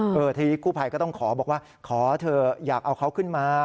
ทีนี้กู้ภัยก็ต้องขอบอกว่าขอเถอะอยากเอาเขาขึ้นมา